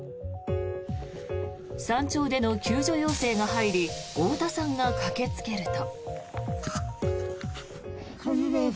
山頂での救助要請が入り太田さんが駆けつけると。